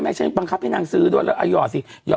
แม่ได้ปังคับให้นางซื้อด้วยอ้าหย่อสิ